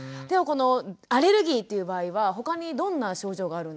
このアレルギーっていう場合はほかにどんな症状があるんですか？